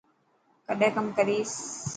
ڪڏهن ڪم ڪريس.